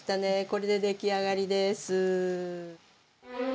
これで出来上がりです。